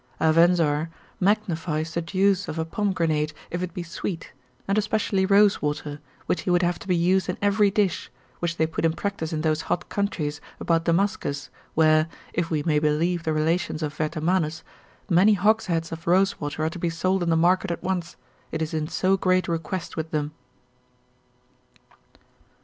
Avenzoar magnifies the juice of a pomegranate, if it be sweet, and especially rose water, which he would have to be used in every dish, which they put in practice in those hot countries, about Damascus, where (if we may believe the relations of Vertomannus) many hogsheads of rose water are to be sold in the market at once, it is in so great request with them.